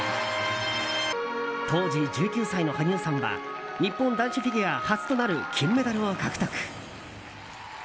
当時１９歳の羽生さんは日本男子フィギュア初となる金メダルを獲得。